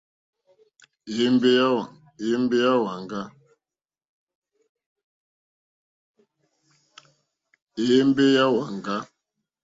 Éyěmbé é wáŋɡà.